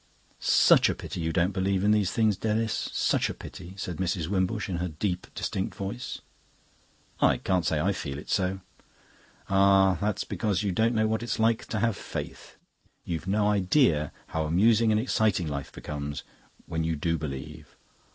"Such a pity you don't believe in these things, Denis, such a pity," said Mrs. Wimbush in her deep, distinct voice. "I can't say I feel it so." "Ah, that's because you don't know what it's like to have faith. You've no idea how amusing and exciting life becomes when you do believe.